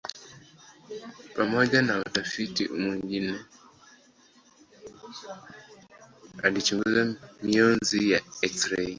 Pamoja na utafiti mwingine alichunguza mionzi ya eksirei.